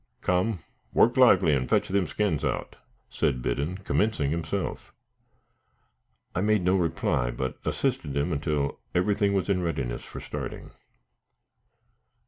"Come, work lively, and fetch them skins out," said Biddon, commencing himself. I made no reply, but assisted him until everything was in readiness, for starting.